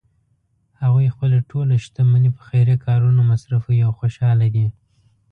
هغوی خپله ټول شتمني په خیریه کارونو مصرفوی او خوشحاله دي